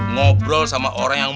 ngobrol sama orang yang